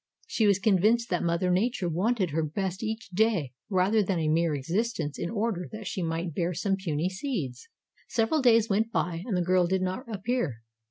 She was convinced that Mother Nature wanted her best each day rather than a mere existence in order that she might bear some puny seeds. "Several days went by and the girl did not appear.